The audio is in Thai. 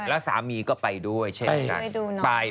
แล้วสามีก็ไปด้วยใช่ไหม